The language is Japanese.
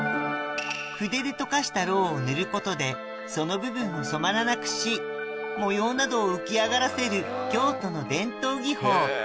筆で溶かしたろうを塗ることでその部分を染まらなくし模様などを浮き上がらせる京都の伝統技法